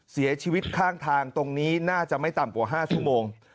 เสียชีวิตข้างทางตรงนี้น่าจะไม่ต่ำกว่า๕ชั่วโมง